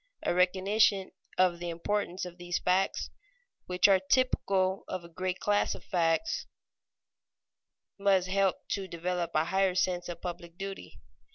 A recognition of the importance of these facts, which are typical of a great class of facts, must help to develop a higher sense of public duty.